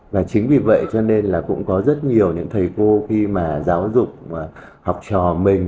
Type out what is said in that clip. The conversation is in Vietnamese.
và chính vì vậy cho nên là cũng có rất nhiều những thầy cô khi mà giáo dục học trò mình